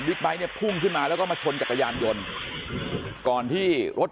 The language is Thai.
ไบท์เนี่ยพุ่งขึ้นมาแล้วก็มาชนจักรยานยนต์ก่อนที่รถ